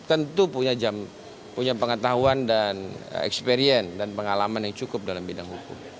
tentu punya pengetahuan dan experience dan pengalaman yang cukup dalam bidang hukum